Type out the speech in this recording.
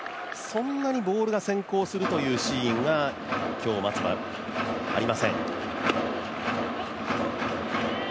そんなにボールが先行するというシーンが今日、松葉、ありません。